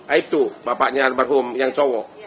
aibtu bapaknya almarhum yang cowok